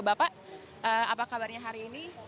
bapak apa kabarnya hari ini